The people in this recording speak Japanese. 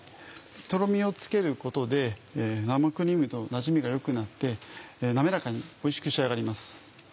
トロミをつけることで生クリームとのなじみが良くなって滑らかにおいしく仕上がります。